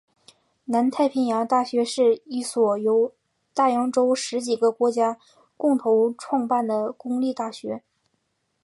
南太平洋大学是一所由大洋洲十几个国家共同创办的公立大学。